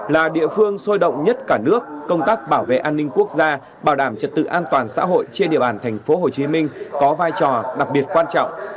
là địa phương sôi động nhất cả nước công tác bảo vệ an ninh quốc gia bảo đảm trật tự an toàn xã hội trên địa bàn tp hcm có vai trò đặc biệt quan trọng